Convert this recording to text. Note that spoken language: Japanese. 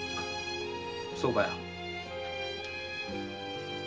そうかよ。